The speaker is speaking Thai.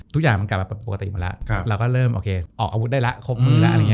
ทุกอย่างกลับปกติหมดแล้วเราก็เริ่มโอเคออกอาวุธได้ละคบตัวแล้ว